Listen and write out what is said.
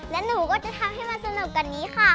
และหนูก็จะทำให้มันสนุกกว่านี้ค่ะ